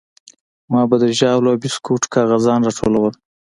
ما به د ژاولو او بيسکوټو کاغذان راټولول.